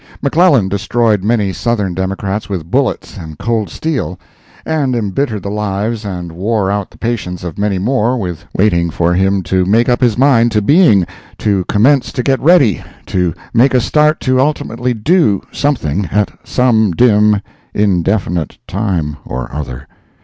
McClellan destroyed many Southern Democrats with bullets and cold steel, and embittered the lives and wore out the patience of many more with waiting for him to make up his mind to being to commence to get ready to make a start to ultimately do something at some dim, indefinite time or other.